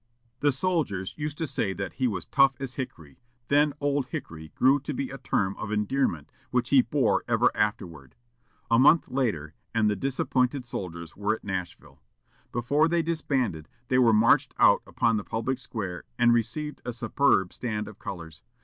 The soldiers used to say that he was "tough as hickory;" then "Old Hickory" grew to be a term of endearment, which he bore ever afterward. A month later, and the disappointed soldiers were at Nashville. Before they disbanded, they were marched out upon the public square, and received a superb stand of colors.